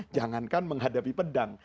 jangankan menghadapi pedang